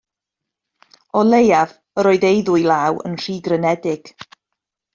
O leiaf, yr oedd ei ddwylaw yn rhy grynedig.